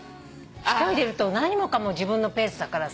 一人でいると何もかも自分のペースだからさ